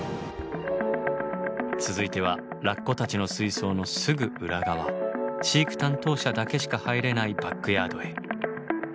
続いてはラッコたちの水槽のすぐ裏側飼育担当者だけしか入れないバックヤードへ。